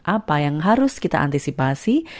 apa yang harus kita antisipasi